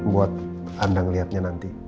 buat anda ngelihatnya nanti